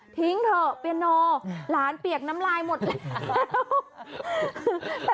เถอะเปียโนหลานเปียกน้ำลายหมดแล้ว